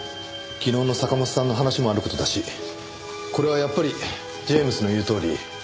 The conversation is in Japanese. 昨日の坂本さんの話もある事だしこれはやっぱりジェームズの言うとおり。